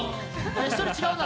１人違うな。